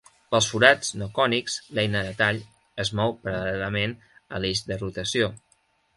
Pels forats no cònics, l'eina de tall es mou paral·lelament a l'eix de rotació.